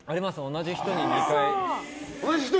同じ人に２回。